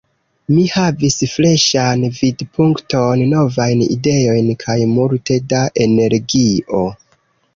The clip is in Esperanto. Mi havis freŝan vidpunkton, novajn ideojn kaj multe da energio.